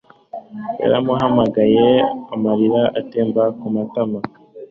Yaramuhamagaye amarira atemba mu matama